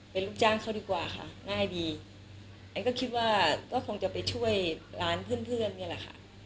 เป็นลูกจ้างเขาดีกว่าค่ะง่ายดีแอนก็คิดว่าก็คงจะไปช่วยร้านเพื่อนเพื่อนนี่แหละค่ะ